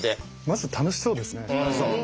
まず楽しそうですね。